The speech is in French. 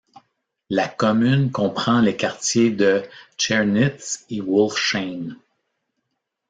La commune comprend les quartiers de Tschernitz et Wolfshain.